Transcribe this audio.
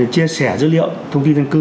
chia sẻ dữ liệu thông tin dân cư